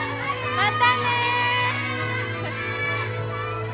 またね！